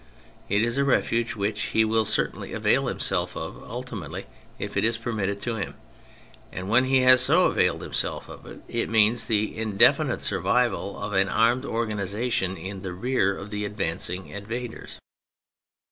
It is a refuge which he will certainly avail himself of ultimately, if it is permitted to him. And when he has so availed himself of it, it means the indefinite survival of an armed organisation in the rear of the advancing invaders.